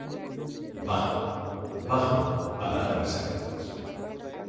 Bajo, bajo, palabras sagradas".